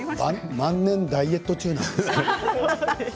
万年、ダイエット中です。